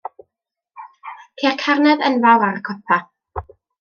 Ceir carnedd enfawr ar y copa.